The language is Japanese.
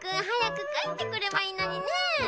はやくかえってくればいいのにね！ね！